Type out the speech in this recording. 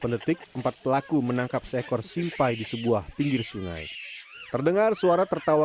dua puluh delapan detik empat pelaku menangkap seekor simpai di sebuah pinggir sungai terdengar suara tertawa